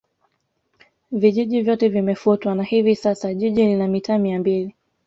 Vijiji vyote vimefutwa na hivi sasa Jiji lina mitaa Mia mbili